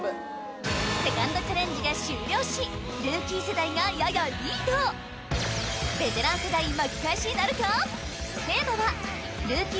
セカンドチャレンジが終了しルーキー世代がややリードベテラン世代巻き返しなるか？